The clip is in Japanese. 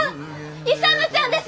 勇ちゃんです！